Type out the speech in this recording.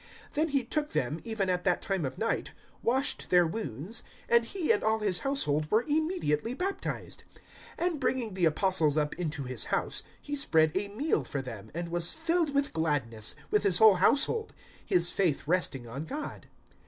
016:033 Then he took them, even at that time of night, washed their wounds, and he and all his household were immediately baptized; 016:034 and bringing the Apostles up into his house, he spread a meal for them, and was filled with gladness, with his whole household, his faith resting on God.